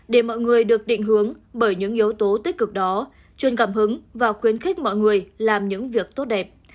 để mọi người được định hướng bởi những yếu tố tích cực đó chuyên cảm hứng và khuyến khích mọi người làm những việc tốt đẹp